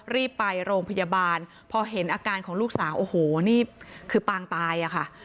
รีบไปโรงพยาบาลพอเห็นอาการของลูกสาวโอ้โหนี่คือปางตายอะค่ะ